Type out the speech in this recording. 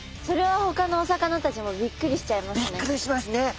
それはほかのお魚たちもびっくりしちゃいますね。